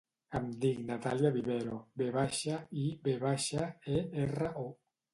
Em dic Natàlia Vivero: ve baixa, i, ve baixa, e, erra, o.